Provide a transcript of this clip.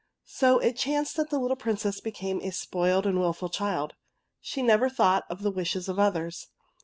So it chanced that the little Princess became a spoiled and wilful child. She never thought of the wishes of others.